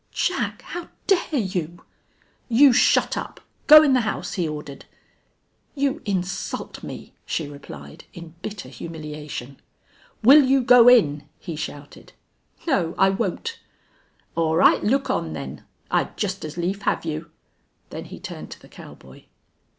"Jack, how dare you!" "You shut up! Go in the house!" he ordered. "You insult me," she replied, in bitter humiliation. "Will you go in?" he shouted. "No, I won't." "All right, look on, then. I'd just as lief have you." Then he turned to the cowboy.